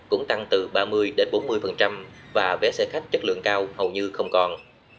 cũng tăng từ ba mươi đến bốn mươi và vé xe khách chất lượng cao hầu như không còn